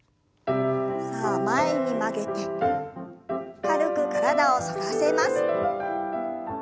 さあ前に曲げて軽く体を反らせます。